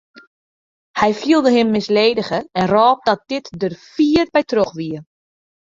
Hy fielde him misledige en rôp dat dit der fier by troch wie.